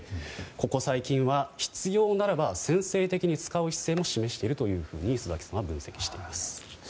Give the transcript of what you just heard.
ここ最近は必要ならば先制的に使う姿勢も示していると礒崎さんは分析しています。